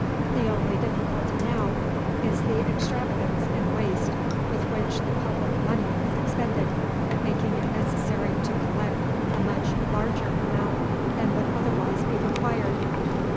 The only difficulty now is the extravagance and waste with which the public money is expended, making it necessary to collect a much larger amount than would otherwise be required.